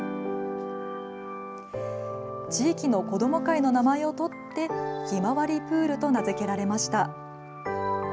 地域の子ども会の名前を取ってひまわりプールと名付けられました。